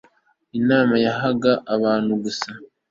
imana yahaga abantu gusa